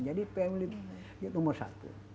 jadi family ini nomor satu